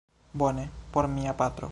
Bone, por mia patro